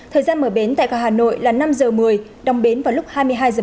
thời gian mở bến tại cả hà nội là năm h một mươi đồng bến vào lúc hai mươi hai h ba mươi